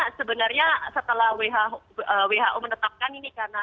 karena sebenarnya setelah who menetapkan ini karena